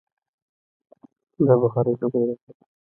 د بخارۍ لوګی د ناروغیو لامل کېدای شي.